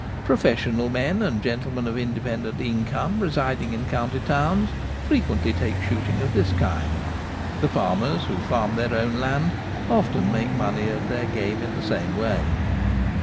Pro fessional men and gentlemen of independent income residing in county towns frequently take shooting of this kind. The farmers who farm their own land often make money of their game in the same way.